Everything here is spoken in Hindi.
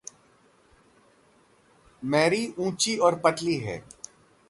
मैरी ऊँची और पतली है।